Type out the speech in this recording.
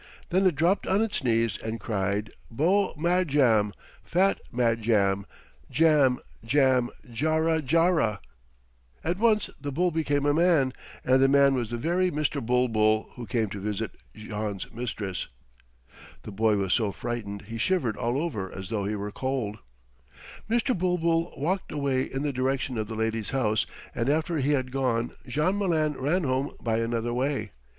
Then it dropped on its knees and cried, "Beau Madjam, fat Madjam, djam, djam, djara, djara!" At once the bull became a man, and the man was the very Mr. Bulbul who came to visit Jean's mistress. The boy was so frightened he shivered all over as though he were cold. Mr. Bulbul walked away in the direction of the lady's house, and after he had gone Jean Malin ran home by another way.